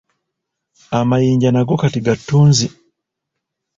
Amayinja nago kati ga ttunzi.